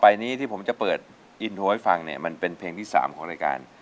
อินโทรให้ฟังเนี่ยมันเป็นเพลงที่๓ของรายการ